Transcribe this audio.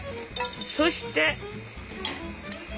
そして。